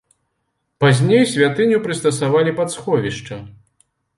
Пазней святыню прыстасавалі пад сховішча.